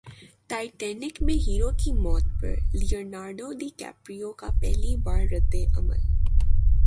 Titanic میں hero کی موت پر لیونارڈو ڈی کیپریو کا پہلی بار ردعمل